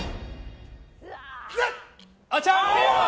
チャンピオン！